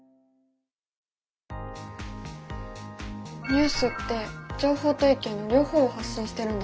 ニュースって情報と意見の両方を発信してるんだね。